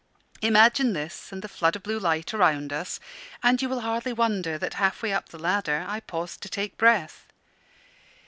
Imagine this and the flood of blue light around us, and you will hardly wonder that, half way up the ladder, I paused to take breath.